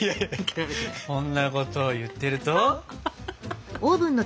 そんなことを言ってると。